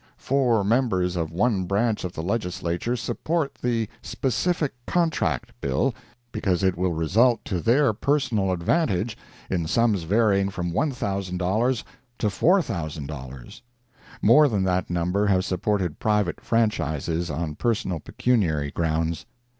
Four members of one branch of the Legislature support the Specific Contract bill because it will result to their personal advantage, in sums varying from $1,000 to $4,000. More than that number have supported private franchises on personal pecuniary grounds.